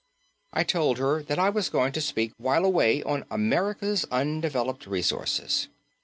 I told her that I was going to speak while away on "America's Undeveloped Resources."